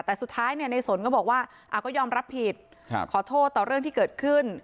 แต่สุดท้ายในสนก็บอกว่าก็ยอมรับผิดขอโทษต่อเรื่องที่เกิดขึ้น